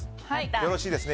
よろしいですね